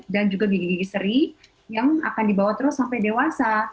dan juga gigi gigi seri yang akan dibawa terus sampai dewasa